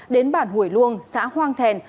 đến bản hủy luông xã hoang thèn